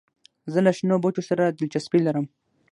زه له شنو بوټو سره دلچسپي لرم.